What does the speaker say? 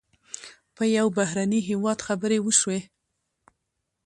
په یو بهرني هېواد خبرې وشوې.